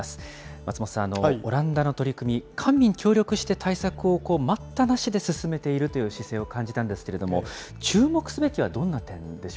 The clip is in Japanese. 松本さん、オランダの取り組み、官民協力して対策を待ったなしで進めているという姿勢を感じたんですけれども、注目すべきはどん